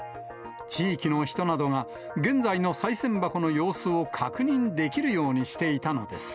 地域の人などが、現在のさい銭箱の様子を確認できるようにしていたのです。